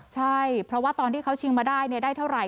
ใช่เพราะว่าตอนที่เขาชิงมาได้ได้เท่าไห